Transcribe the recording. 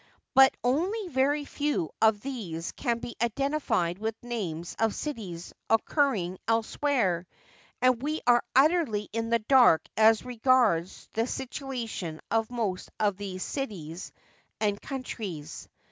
but only very few of these can be identified with names of cities occurring elsewhere, and we are utterly in the dark as regards the situation of most of these cities and countries.